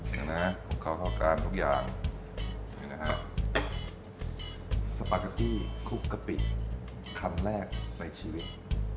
เดี๋ยวน่ะครับครับเขาการทุกอย่างฮ๊ะสปาเกตตี้ครูกกะปิคันแรกใบชีวิต